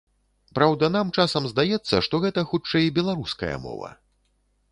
Праўда, нам часам здаецца, што гэта хутчэй беларуская мова.